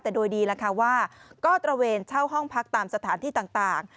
แต่โดยดีล่ะค่ะว่าก็ตระเวนเช่าห้องพักตามสถานที่ต่าง